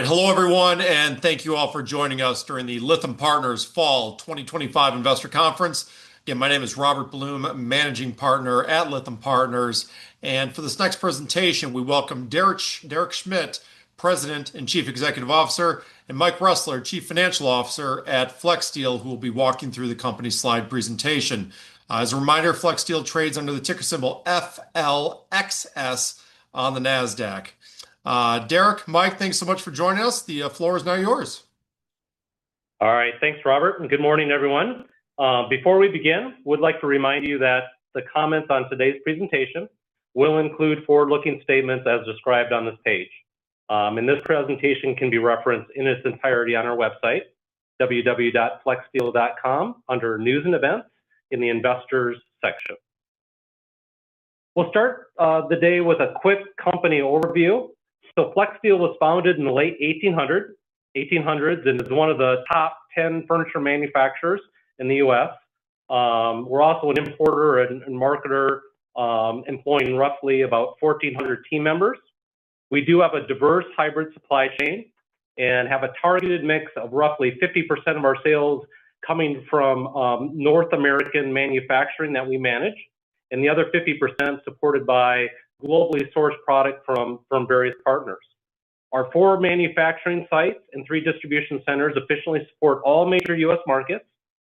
All right. Hello, everyone, and thank you all for joining us during the Lytham Partners Fall 2025 Investor Conference. Again, my name is Robert Blum, Managing Partner at Lytham Partners, and for this next presentation, we welcome Derek Schmidt, President and Chief Executive Officer, and Mike Ressler, Chief Financial Officer at Flexsteel, who will be walking through the company's slide presentation. As a reminder, Flexsteel trades under the ticker symbol FLXS on the Nasdaq. Derek, Mike, thanks so much for joining us. The floor is now yours. All right. Thanks, Robert, and good morning, everyone. Before we begin, we'd like to remind you that the comments on today's presentation will include forward-looking statements as described on this page. This presentation can be referenced in its entirety on our website, www.flexsteel.com, under News and Events in the Investors section. We'll start the day with a quick company overview. Flexsteel was founded in the late 1800s, and is one of the top 10 furniture manufacturers in the U.S. We're also an importer and marketer, employing roughly about 1,400 team members. We do have a diverse hybrid supply chain and have a targeted mix of roughly 50% of our sales coming from North American manufacturing that we manage, and the other 50% supported by globally sourced products from various partners. Our four manufacturing sites and three distribution centers efficiently support all major U.S. markets,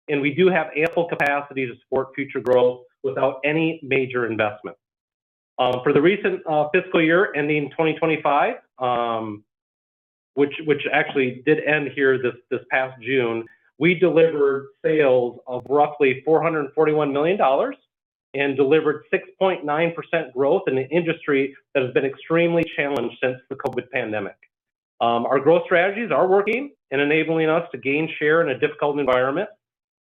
and we do have ample capacity to support future growth without any major investment. For the recent fiscal year ending 2025, which actually did end here this past June, we delivered sales of roughly $441 million and delivered 6.9% growth in an industry that has been extremely challenged since the COVID pandemic. Our growth strategies are working and enabling us to gain share in a difficult environment.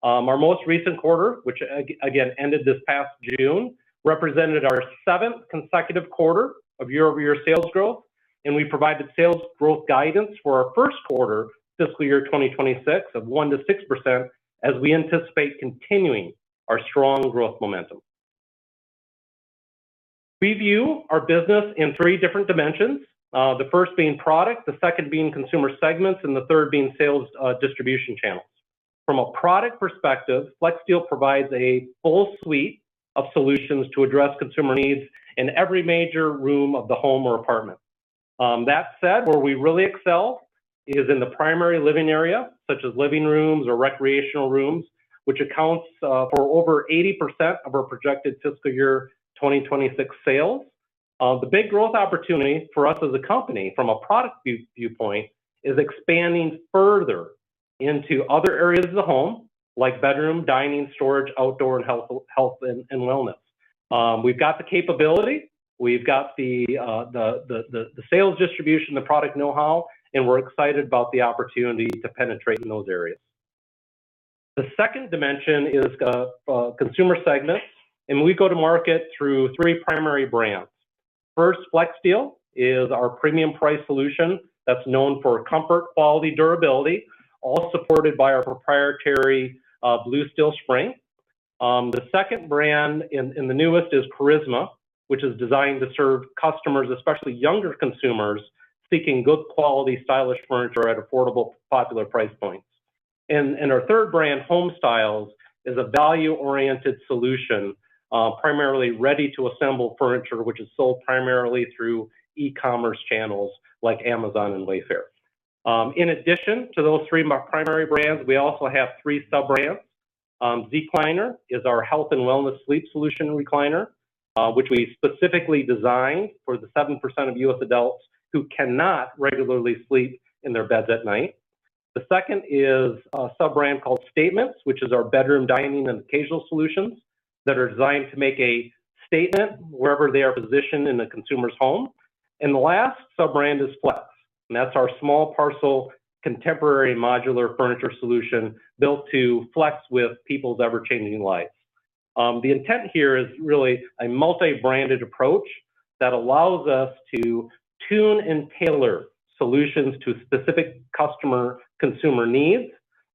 Our most recent quarter, which again ended this past June, represented our seventh consecutive quarter of year-over-year sales growth, and we provided sales growth guidance for our first quarter, fiscal year 2026, of 1% to 6%, as we anticipate continuing our strong growth momentum. We view our business in three different dimensions, the first being product, the second being consumer segments, and the third being sales distribution channels. From a product perspective, Flexsteel provides a full suite of solutions to address consumer needs in every major room of the home or apartment. That said, where we really excel is in the primary living area, such as living rooms or recreational rooms, which accounts for over 80% of our projected fiscal year 2026 sales. The big growth opportunity for us as a company, from a product viewpoint, is expanding further into other areas of the home, like bedroom, dining, storage, outdoor, and health and wellness. We've got the capability, we've got the sales distribution, the product know-how, and we're excited about the opportunity to penetrate in those areas. The second dimension is consumer segments, and we go to market through three primary brands. First, Flexsteel is our premium price solution that's known for comfort, quality, durability, all supported by our proprietary Blue Steel Spring. The second brand, and the newest, is Charisma, which is designed to serve customers, especially younger consumers, seeking good quality, stylish furniture at affordable, popular price points, and our third brand, Homestyles, is a value-oriented solution, primarily ready-to-assemble furniture, which is sold primarily through e-commerce channels like Amazon and Wayfair. In addition to those three primary brands, we also have three sub-brands. Zecliner is our health and wellness sleep solution recliner, which we specifically designed for the 7% of U.S. adults who cannot regularly sleep in their beds at night. The second is a sub-brand called Statements, which is our bedroom, dining, and occasional solutions that are designed to make a statement wherever they are positioned in a consumer's home, and the last sub-brand is Flex, and that's our small parcel contemporary modular furniture solution built to flex with people's ever-changing lives. The intent here is really a multi-branded approach that allows us to tune and tailor solutions to specific customer consumer needs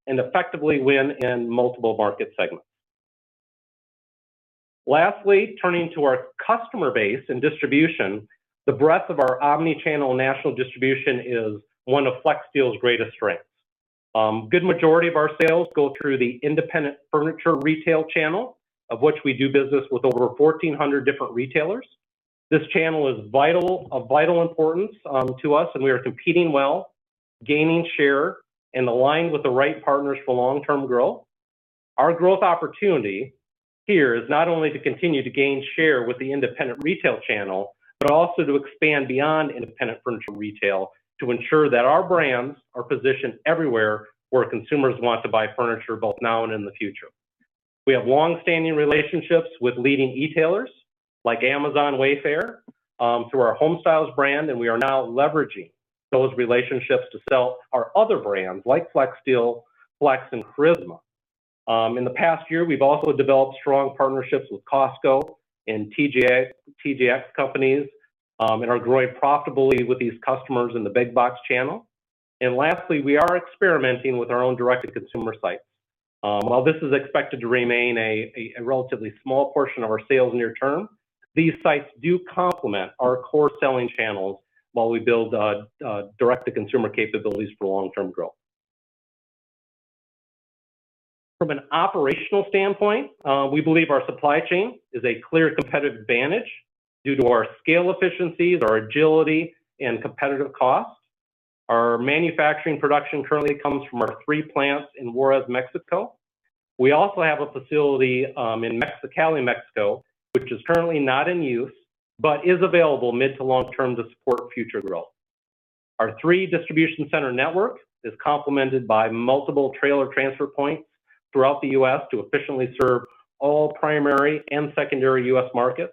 and effectively win in multiple market segments. Lastly, turning to our customer base and distribution, the breadth of our omnichannel national distribution is one of Flexsteel's greatest strengths. A good majority of our sales go through the independent furniture retail channel, of which we do business with over 1,400 different retailers. This channel is of vital importance to us, and we are competing well, gaining share, and aligned with the right partners for long-term growth. Our growth opportunity here is not only to continue to gain share with the independent retail channel, but also to expand beyond independent furniture retail to ensure that our brands are positioned everywhere where consumers want to buy furniture both now and in the future. We have long-standing relationships with leading retailers like Amazon and Wayfair through our Homestyles brand, and we are now leveraging those relationships to sell our other brands like Flexsteel, Flex, and Charisma. In the past year, we've also developed strong partnerships with Costco and TJX Companies and are growing profitably with these customers in the big box channel, and lastly, we are experimenting with our own direct-to-consumer sites. While this is expected to remain a relatively small portion of our sales near term, these sites do complement our core selling channels while we build direct-to-consumer capabilities for long-term growth. From an operational standpoint, we believe our supply chain is a clear competitive advantage due to our scale efficiencies, our agility, and competitive cost. Our manufacturing production currently comes from our three plants in Juárez, Mexico. We also have a facility in Mexicali, Mexico, which is currently not in use but is available mid- to long-term to support future growth. Our three distribution center network is complemented by multiple trailer transfer points throughout the U.S. to efficiently serve all primary and secondary U.S. markets,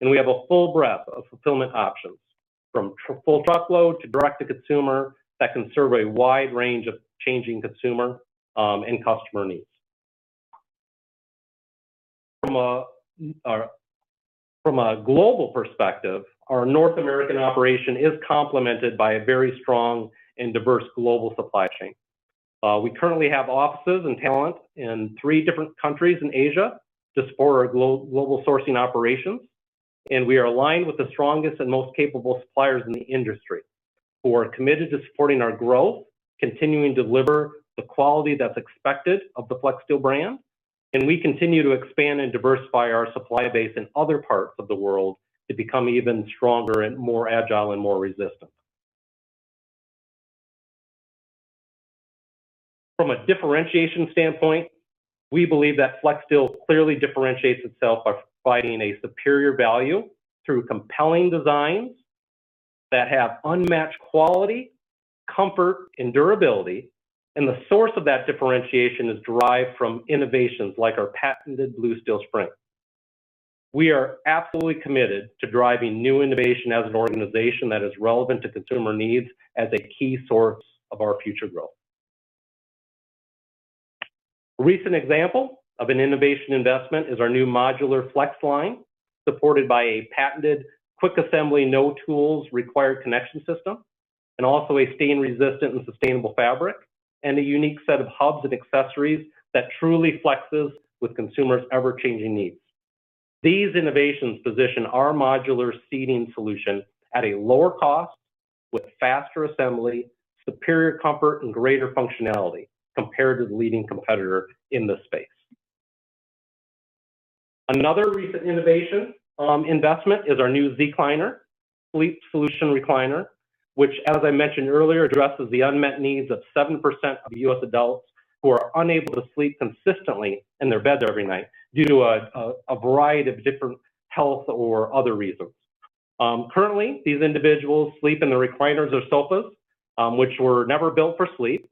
and we have a full breadth of fulfillment options, from full truckload to direct-to-consumer that can serve a wide range of changing consumer and customer needs. From a global perspective, our North American operation is complemented by a very strong and diverse global supply chain. We currently have offices and talent in three different countries in Asia to support our global sourcing operations, and we are aligned with the strongest and most capable suppliers in the industry who are committed to supporting our growth, continuing to deliver the quality that's expected of the Flexsteel brand, and we continue to expand and diversify our supply base in other parts of the world to become even stronger and more agile and more resistant. From a differentiation standpoint, we believe that Flexsteel clearly differentiates itself by providing a superior value through compelling designs that have unmatched quality, comfort, and durability, and the source of that differentiation is derived from innovations like our patented Blue Steel Spring. We are absolutely committed to driving new innovation as an organization that is relevant to consumer needs as a key source of our future growth. A recent example of an innovation investment is our new modular Flex line, supported by a patented quick assembly no tools required connection system, and also a stain-resistant and sustainable fabric and a unique set of hubs and accessories that truly flexes with consumers' ever-changing needs. These innovations position our modular seating solution at a lower cost with faster assembly, superior comfort, and greater functionality compared to the leading competitor in this space. Another recent innovation investment is our new Zecliner sleep solution recliner, which, as I mentioned earlier, addresses the unmet needs of 7% of U.S. adults who are unable to sleep consistently in their beds every night due to a variety of different health or other reasons. Currently, these individuals sleep in the recliners or sofas, which were never built for sleep.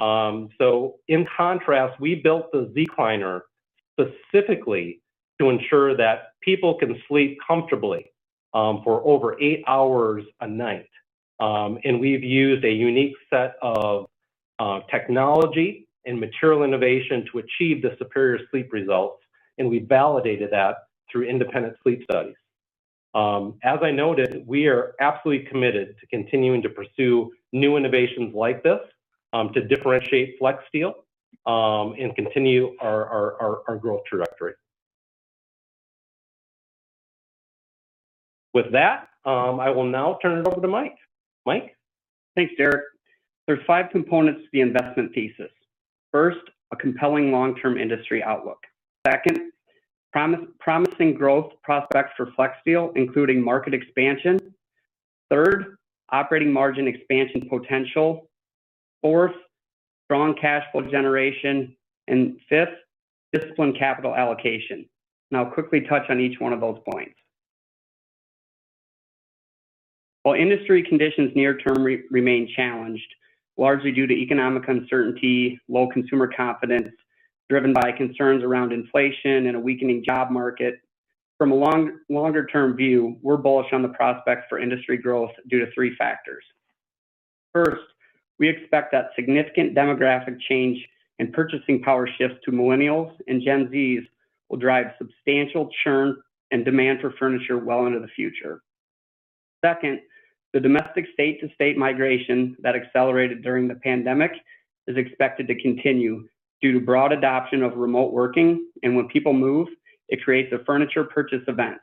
So in contrast, we built the Zecliner specifically to ensure that people can sleep comfortably for over eight hours a night, and we've used a unique set of technology and material innovation to achieve the superior sleep results, and we validated that through independent sleep studies. As I noted, we are absolutely committed to continuing to pursue new innovations like this to differentiate Flexsteel and continue our growth trajectory. With that, I will now turn it over to Mike. Mike. Thanks, Derek. There are five components to the investment thesis. First, a compelling long-term industry outlook. Second, promising growth prospects for Flexsteel, including market expansion. Third, operating margin expansion potential. Fourth, strong cash flow generation. And fifth, disciplined capital allocation, and I'll quickly touch on each one of those points. While industry conditions near term remain challenged, largely due to economic uncertainty, low consumer confidence driven by concerns around inflation and a weakening job market, from a longer-term view, we're bullish on the prospects for industry growth due to three factors. First, we expect that significant demographic change and purchasing power shifts to Millennials and Gen Zs will drive substantial churn and demand for furniture well into the future. Second, the domestic state-to-state migration that accelerated during the pandemic is expected to continue due to broad adoption of remote working, and when people move, it creates a furniture purchase event.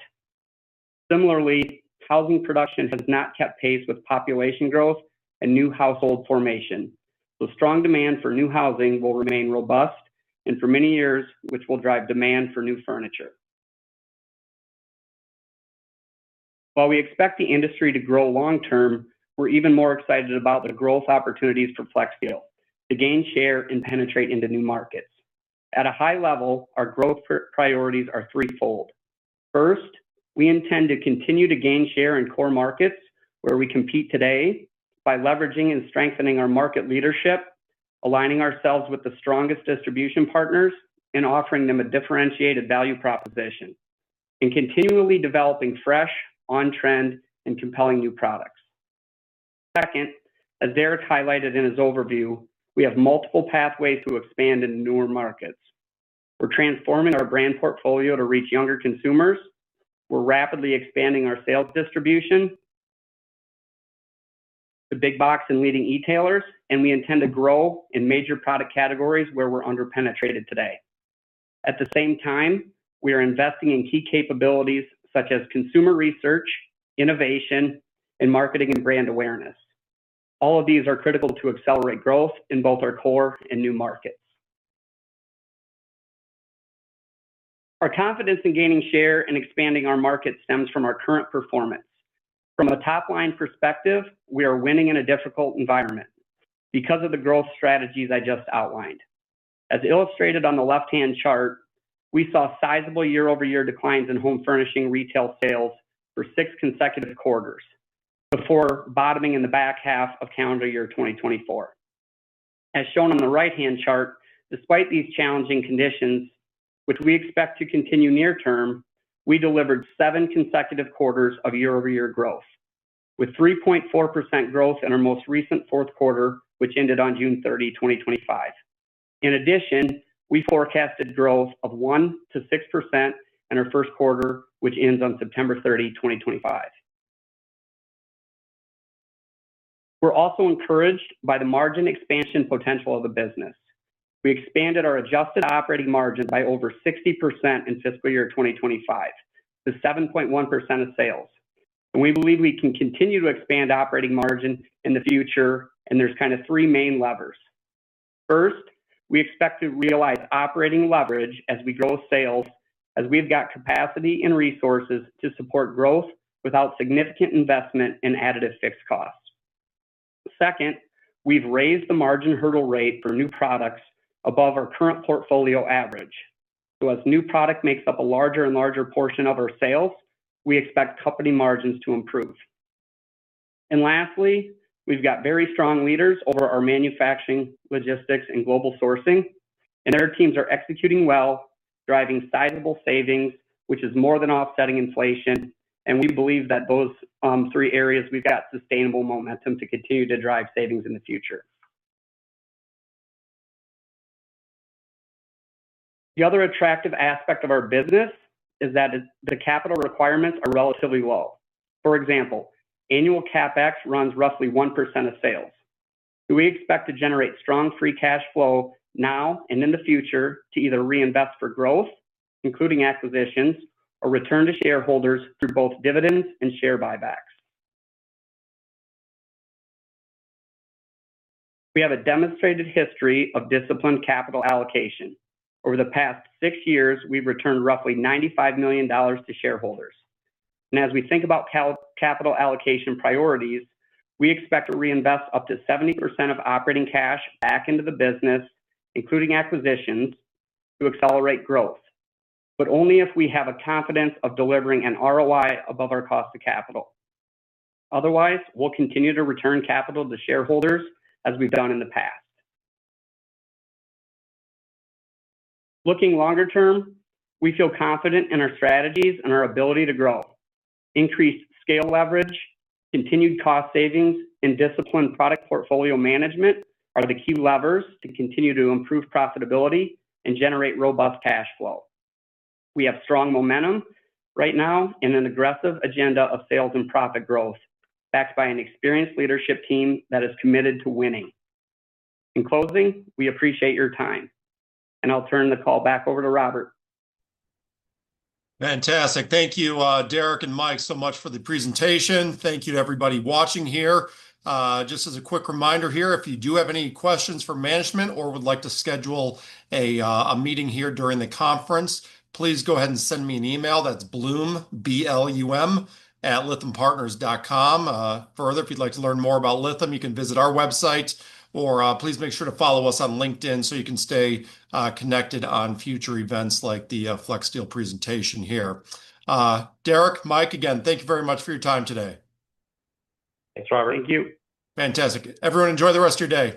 Similarly, housing production has not kept pace with population growth and new household formation, so strong demand for new housing will remain robust and for many years, which will drive demand for new furniture. While we expect the industry to grow long-term, we're even more excited about the growth opportunities for Flexsteel to gain share and penetrate into new markets. At a high level, our growth priorities are threefold. First, we intend to continue to gain share in core markets where we compete today by leveraging and strengthening our market leadership, aligning ourselves with the strongest distribution partners and offering them a differentiated value proposition, and continually developing fresh, on-trend, and compelling new products. Second, as Derek highlighted in his overview, we have multiple pathways to expand into newer markets. We're transforming our brand portfolio to reach younger consumers. We're rapidly expanding our sales distribution to big box and leading retailers, and we intend to grow in major product categories where we're underpenetrated today. At the same time, we are investing in key capabilities such as consumer research, innovation, and marketing and brand awareness. All of these are critical to accelerate growth in both our core and new markets. Our confidence in gaining share and expanding our market stems from our current performance. From a top-line perspective, we are winning in a difficult environment because of the growth strategies I just outlined. As illustrated on the left-hand chart, we saw sizable year-over-year declines in home furnishing retail sales for six consecutive quarters before bottoming in the back half of calendar year 2024. As shown on the right-hand chart, despite these challenging conditions, which we expect to continue near term, we delivered seven consecutive quarters of year-over-year growth, with 3.4% growth in our most recent fourth quarter, which ended on June 30, 2025. In addition, we forecasted growth of 1%-6% in our first quarter, which ends on September 30, 2025. We're also encouraged by the margin expansion potential of the business. We expanded our adjusted operating margin by over 60% in fiscal year 2025 to 7.1% of sales, and we believe we can continue to expand operating margin in the future, and there's kind of three main levers. First, we expect to realize operating leverage as we grow sales as we've got capacity and resources to support growth without significant investment and additive fixed costs. Second, we've raised the margin hurdle rate for new products above our current portfolio average. As new product makes up a larger and larger portion of our sales, we expect company margins to improve. Lastly, we've got very strong leaders over our manufacturing, logistics, and global sourcing, and their teams are executing well, driving sizable savings, which is more than offsetting inflation, and we believe that those three areas we've got sustainable momentum to continue to drive savings in the future. The other attractive aspect of our business is that the capital requirements are relatively low. For example, annual CapEx runs roughly 1% of sales. We expect to generate strong free cash flow now and in the future to either reinvest for growth, including acquisitions, or return to shareholders through both dividends and share buybacks. We have a demonstrated history of disciplined capital allocation. Over the past six years, we've returned roughly $95 million to shareholders. And as we think about capital allocation priorities, we expect to reinvest up to 70% of operating cash back into the business, including acquisitions, to accelerate growth, but only if we have a confidence of delivering an ROI above our cost of capital. Otherwise, we'll continue to return capital to shareholders as we've done in the past. Looking longer term, we feel confident in our strategies and our ability to grow. Increased scale leverage, continued cost savings, and disciplined product portfolio management are the key levers to continue to improve profitability and generate robust cash flow. We have strong momentum right now and an aggressive agenda of sales and profit growth backed by an experienced leadership team that is committed to winning. In closing, we appreciate your time, and I'll turn the call back over to Robert. Fantastic. Thank you, Derek and Mike, so much for the presentation. Thank you to everybody watching here. Just as a quick reminder here, if you do have any questions for management or would like to schedule a meeting here during the conference, please go ahead and send me an email. That's blum, B-L-U-M, @lythampartners.com. Further, if you'd like to learn more about Lytham, you can visit our website, or please make sure to follow us on LinkedIn so you can stay connected on future events like the Flexsteel presentation here. Derek, Mike, again, thank you very much for your time today. Thanks, Robert. Thank you. Fantastic. Everyone, enjoy the rest of your day.